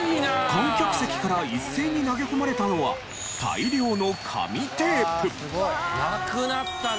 観客席から一斉に投げ込まれたのはなくなったな。